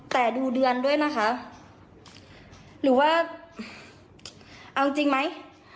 แต่ดูเดือนด้วยนะคะหรือว่าเอาจริงไหม